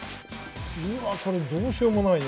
うわこれどうしようもないね